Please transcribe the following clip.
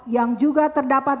yang juga terdapat